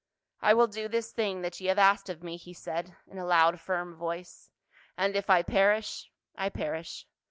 " I will do this thing that ye have asked of me," he said in a loud firm voice, " and if I perish, I perish.